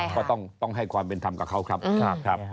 ก็ต้องให้ความเป็นธรรมกับเขาครับ